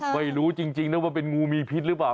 ไม่รู้จริงนะว่าเป็นงูมีพิษหรือเปล่า